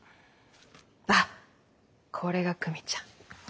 あっこれが久美ちゃん。